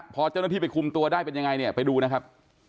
พอเจ้าหน้าที่ไปคุมตัวได้เป็นยังไงเนี่ยไปดูนะครับ